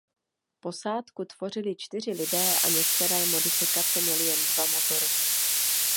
Posádku tvořili čtyři lidé a některé modifikace měly jen dva motory.